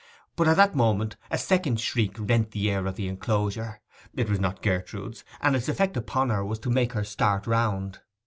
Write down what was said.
But at that moment a second shriek rent the air of the enclosure: it was not Gertrude's, and its effect upon her was to make her start round.